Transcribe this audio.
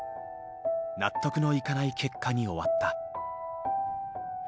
納得のいかない結果に終わった。